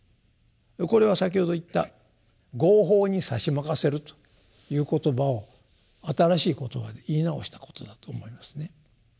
これは先ほど言った「業報にさしまかせる」という言葉を新しい言葉で言い直したことだと思いますね。